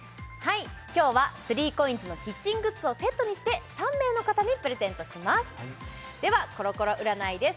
今日は３ＣＯＩＮＳのキッチングッズをセットにして３名の方にプレゼントしますではコロコロ占いです